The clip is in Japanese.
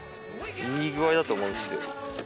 いい具合だと思うんですけど。